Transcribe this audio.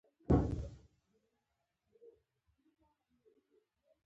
د نجونو تعلیم د کورنۍ پلان جوړونې ښه کوي.